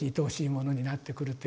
ものになってくるという。